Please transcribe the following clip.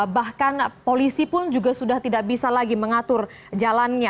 bahkan polisi pun juga sudah tidak bisa lagi mengatur jalannya